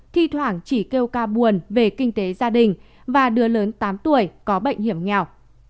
thi thoảng chỉ kêu ca buồn về kinh tế gia đình và đứa lớn tám tuổi có bệnh hiểm nghèo